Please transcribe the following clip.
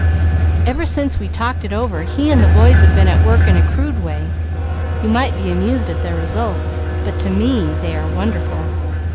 Ever since we talked it over he and the boys have been at work in a crude way; you might be amused at their results, but to me they are wonderful.